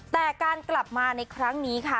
แต่การกลับมาในครั้งนี้ค่ะ